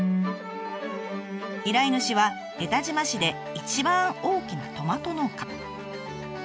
依頼主は江田島市で一番大きなトマト農家。